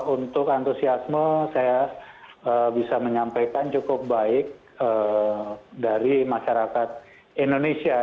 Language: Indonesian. untuk antusiasme saya bisa menyampaikan cukup baik dari masyarakat indonesia